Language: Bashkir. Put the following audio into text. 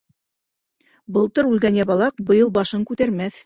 Былтыр үлгән ябалаҡ быйыл башын күтәрмәҫ.